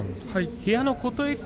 部屋の琴恵光